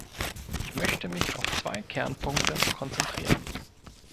Ich möchte mich auf zwei Kernpunkte konzentrieren.